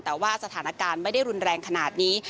แต่ว่าสถานการณ์ไม่ได้รุนแรงขนาดนี้